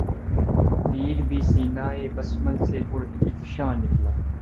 تیر بھی سینہٴ بسمل سے پرافشاں نکلا